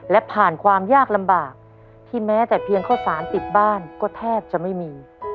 และผ่านความยากลำบากที่แม้แต่เพียงข้าวสารติดบ้านก็แทบจะไม่มี